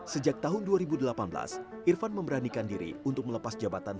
sejak tahun dua ribu delapan belas irfan memberanikan diri untuk melepas jabatan